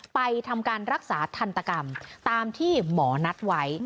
ไปทำการรักษาทันตกรรมตามที่หมอนัดไว้